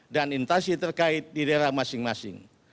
dan intasi terkait di daerah masing masing